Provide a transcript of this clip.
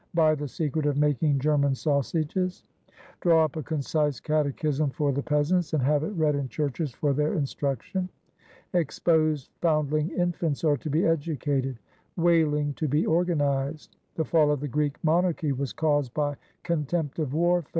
"Buy the secret of making German sausages." "Draw up a concise catechism for the peasants, and have it read in churches for their instruction." " Exposed foundling infants are to be educated." "Whaling to be organized." " The fall of the Greek Monarchy was caused by con tempt of warfare."